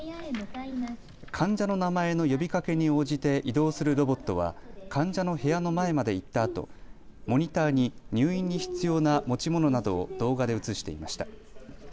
患者の名前の呼びかけに応じて移動するロボットは患者の部屋の前まで行ったあとモニターに入院に必要な持ち物などを動画で映していました。